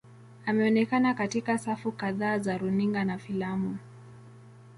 Ameonekana katika safu kadhaa za runinga na filamu.